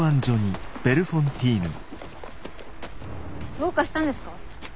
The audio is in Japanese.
どうかしたんですか？